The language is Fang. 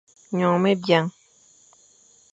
Nyongh me biang.